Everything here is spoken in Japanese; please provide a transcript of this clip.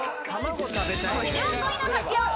［それでは５位の発表］